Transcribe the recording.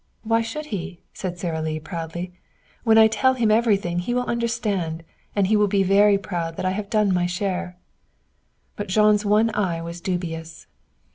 "Why should he?" said Sara Lee proudly. "When I tell him everything he will understand. And he will be very proud that I have done my share." But Jean's one eye was dubious.